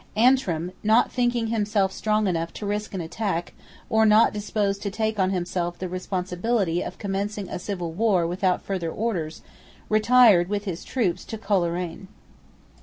Antrim, not thinking himself strong enough to risk an attack, or not disposed to take on himself the responsibility of commencing a civil war without further orders, retired with his troops to Coleraine.